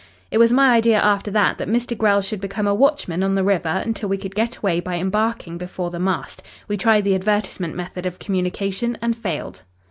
"It was my idea after that that Mr. Grell should become a watchman on the river until we could get away by embarking before the mast. We tried the advertisement method of communication and failed.